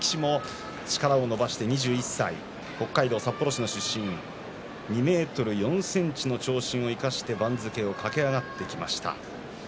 この力士も力を伸ばして北海道札幌の出身２ｍ４ｃｍの長身を生かして番付を駆け上がってきました。